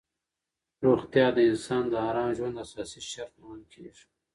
روغتیا د انسان د ارام ژوند اساسي شرط ګڼل کېږي.